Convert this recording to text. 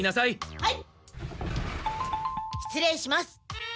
はい。